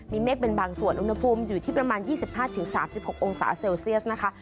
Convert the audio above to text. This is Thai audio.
มีเมฆเป็นบางส่วนอุณหภูมิอยู่ที่ประมาณ๒๕๓๖องศาเซลเซียสนะคะ